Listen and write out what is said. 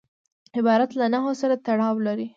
عبارت له نحو سره تړاو لري.